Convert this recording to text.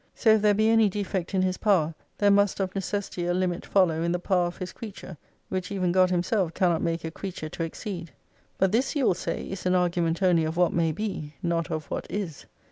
So if there be any defect in His power there must of necessity a limit follow in the power of His creature, which even God Himself cannot make a creature to exceed. But this, you will say, is an argument only of what may be, not of what is.